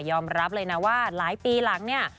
ยอมรับเลยนะว่าหลายปีหลังเนี่ย